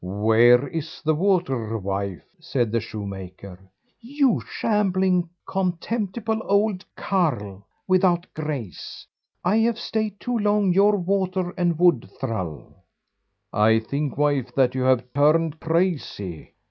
"Where is the water, wife?" said the shoemaker. "You shambling, contemptible old carle, without grace, I have stayed too long your water and wood thrall." "I think, wife, that you have turned crazy.